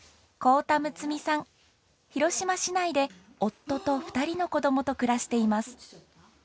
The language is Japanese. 広島市内で夫と２人のこどもと暮らしています。